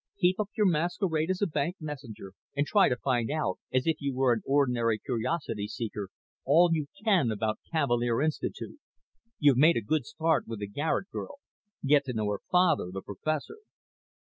"Keep up your masquerade as a bank messenger and try to find out, as if you were an ordinary curiosity seeker, all you can about Cavalier Institute. You've made a good start with the Garet girl. Get to know her father, the professor."